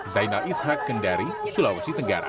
zainal ishak kendari sulawesi tenggara